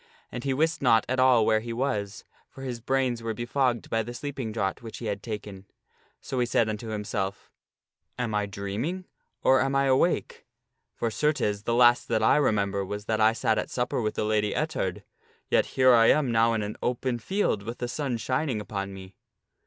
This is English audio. And he wist not at all where he was, for his brains were befogged by the sleeping draught which he had taken. So he said unto himself, " Am I dreaming, or am I awake ? for certes, the last that I remember was that I sat at supper with the Lady Ettard, yet here I am now in an open field with the sun shining upon me."